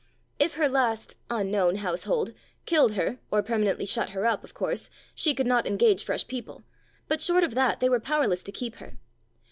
If her last (unknown) household killed her, or permanently shut her up, of course, she could not engage fresh people, but short of that they were powerless to keep her.